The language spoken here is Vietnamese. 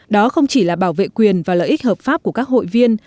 đó không chỉ là bảo vệ quyền và lợi ích hợp pháp của các hội viên